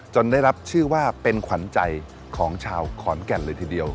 ได้รับชื่อว่าเป็นขวัญใจของชาวขอนแก่นเลยทีเดียว